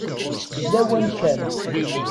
D lawan kan.